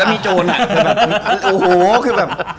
และมีโจนน่ะโย้โหคือแบบ